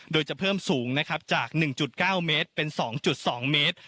โดยจะเพิ่มสูงนะครับจาก๑๙เมตรเป็น๒๒เมตร